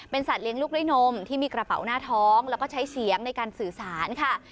สัตว์เลี้ยงลูกด้วยนมที่มีกระเป๋าหน้าท้องแล้วก็ใช้เสียงในการสื่อสารค่ะ